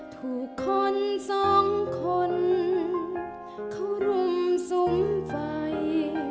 ถูกคนสองคนเขารุมซุ้มไฟ